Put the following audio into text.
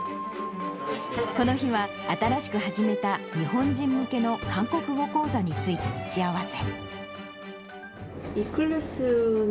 この日は、新しく始めた日本人向けの韓国語講座について打ち合わせ。